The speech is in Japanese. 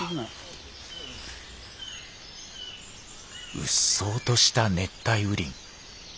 うっそうとした熱帯雨林。